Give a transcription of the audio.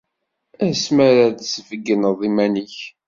Asmi ara d-tesbeyyneḍ iman-ik.